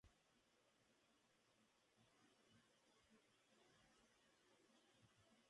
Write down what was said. Casado con Carmen Tubino Nájera, prima segunda, tuvo dos hijas, Adelaida y Carmen.